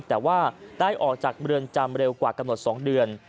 แต่ว่าได้ออกจากเรือนจำเร็วกว่ากำหนด๒เดือน